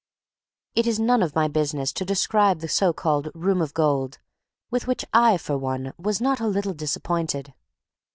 It is none of my business to describe the so called Room of Gold, with which I, for one, was not a little disappointed.